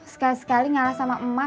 sekali sekali ngalah sama emak